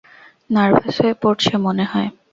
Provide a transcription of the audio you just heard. Nervous হয়ে পড়ছে মনে হয়।